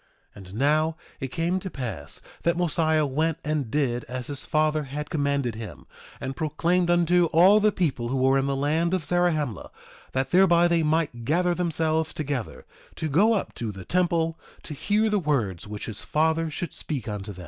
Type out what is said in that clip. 1:18 And now, it came to pass that Mosiah went and did as his father had commanded him, and proclaimed unto all the people who were in the land of Zarahemla that thereby they might gather themselves together, to go up to the temple to hear the words which his father should speak unto them.